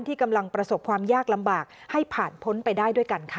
ที่กำลังประสบความยากลำบากให้ผ่านพ้นไปได้ด้วยกันค่ะ